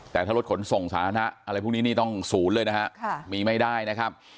แต่ถ้ารถขนส่งสาธารณะอะไรพวกนี้นี่ต้องศูนย์เลยนะฮะมีไม่ได้นะครับ